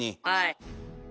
はい。